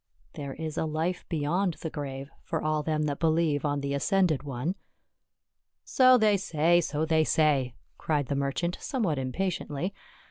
" There is a life beyond the grave for all them that believe on the ascended One." "So they say, so they say," cried the merchant, somewhat impatiently.